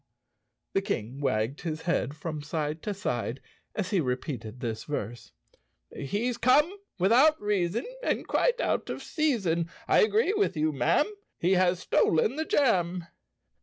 The King wagged his head from side to side as he repeated this verse: " He's come without reason And quite out of season; I agree with you, Ma'am, He has stolen the jam!